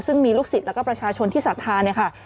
ซึ่งมีลูกศิษย์และก็ประชาชนที่ศาสตราค่ะ